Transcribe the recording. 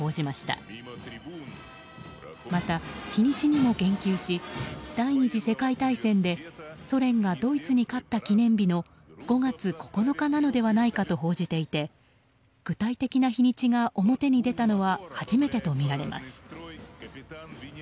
また日にちにも言及し第２次世界大戦でソ連がドイツに勝った記念日の５月９日なのではないかと報じていて具体的な日にちが表に出たのは初めてとみられます。